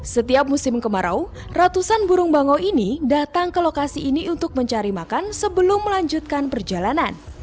setiap musim kemarau ratusan burung bangau ini datang ke lokasi ini untuk mencari makan sebelum melanjutkan perjalanan